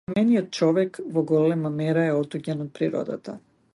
Современиот човек во голема мера е отуѓен од природата.